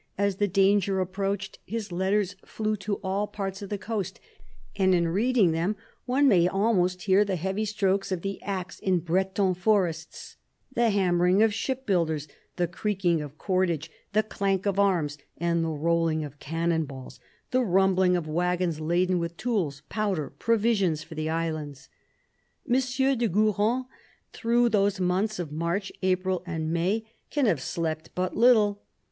As the danger approached his letters flew to all parts of the coast, and in reading them one may almost hear the heavy strokes of the axe in Breton forests, the hammering of ship builders, the creaking of cordage, the clank of arms and the rolling of cannon balls, the rumbling of waggons laden with tools, powder, provisions for the islands. M. de Guron, through those months of March, April and May, can have slept but little.